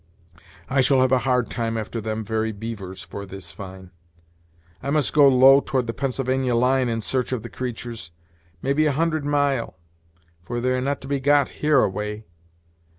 I shall have a hard time after them very beavers, for this fine. I must go low toward the Pennsylvania line in search of the creatures, maybe a hundred mile; for they are not to be got here away.